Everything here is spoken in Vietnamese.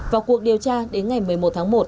vào cuộc điều tra đến ngày một mươi một tháng một